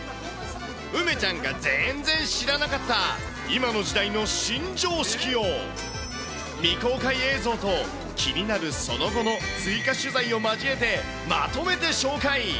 梅ちゃんが全然知らなかった今の時代の新常識を未公開映像と気になるその後の追加取材を交えてまとめて紹介。